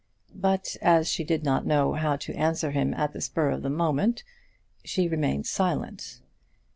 But as she did not know how to answer him at the spur of the moment, she remained silent.